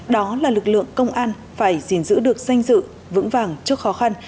đó là lực lượng công an phải gìn giữ được danh dự vững vàng trước khó khăn